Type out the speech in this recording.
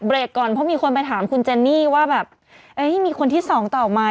ก่อนเพราะมีคนไปถามคุณเจนนี่ว่าแบบเอ้ยนี่มีคนที่สองต่อไหม